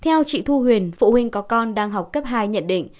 theo chị thu huyền phụ huynh có con đang học cấp hai nhận định